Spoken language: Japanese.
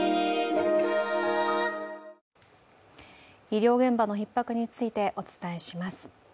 医療現場のひっ迫についてお伝えします。